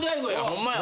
ホンマや。